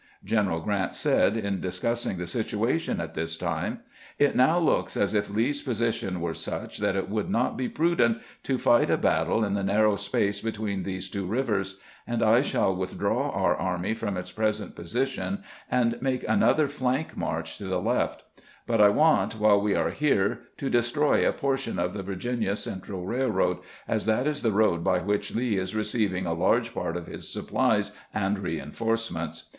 Q eneral Grrant said, in discussing the situation at this time :" It now looks as if Lee's position 10 146 CAMPAIGNING "WITH GBANT were sueli tliat it would not be prudent to fight a battle in the narrow space between these two rivers, and I shall withdraw our army from its present position, and make another flank march to the left ; but I want, while we are here, to destroy a portion of the Virginia Central Railroad, as that is the road by which Lee is receiving a large part of his supphes and reinforcements."